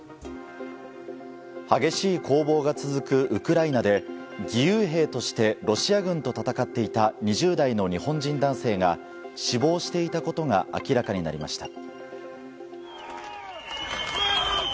激しい攻防が続くウクライナで義勇兵としてロシア軍と戦っていた２０代の日本人男性が死亡していたことが明らかになりました。